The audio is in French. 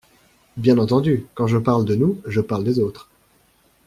Bien entendu, quand je parle de nous, je parle des autres.